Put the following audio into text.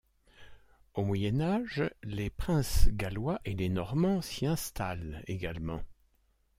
Au Moyen Âge, les princes gallois et les Normands s'y installent également.